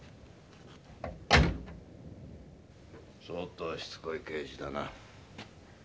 相当しつこい刑事だな。